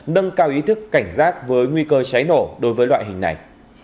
nâng cao ý thức cảnh giác với nguy cơ cháy nổ đối với loại hình này